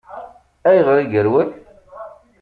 Ayɣer i yerwel?